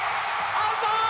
アウト！